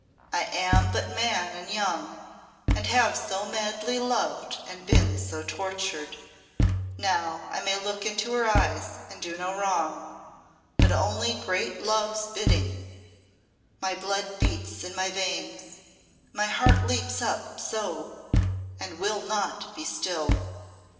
I am but man and young, and have so madly loved and been so tortured. Now I may look into her eyes and do no wrong, but only great Love's bidding. My blood beats in my veins my heart leaps up so and will not be still."